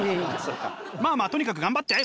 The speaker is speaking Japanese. まあまあとにかく頑張って。